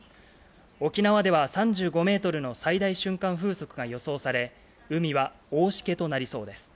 沖縄では３５メートルの最大瞬間風速が予想され、海は大しけとなりそうです。